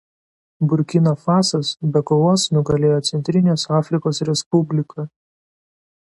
Burkina Fasas be kovos nugalėjo Centrinės Afrikos Respubliką.